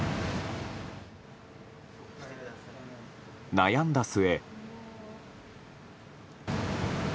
悩んだ末。